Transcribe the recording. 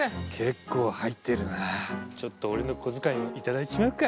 結構入ってるなちょっと俺の小遣いも頂いちまうか。